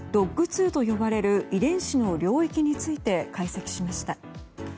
２と呼ばれる遺伝子の領域について解析しました。